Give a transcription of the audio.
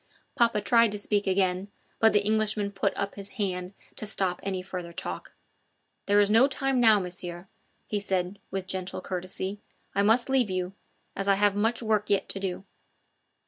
Papa tried to speak again, but the Englishman put up his hand to stop any further talk. "There is no time now, Monsieur," he said with gentle courtesy. "I must leave you, as I have much work yet to do."